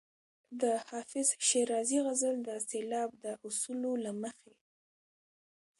د حافظ شیرازي غزل د سېلاب د اصولو له مخې.